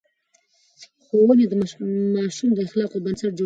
ښوونې د ماشوم د اخلاقو بنسټ جوړوي.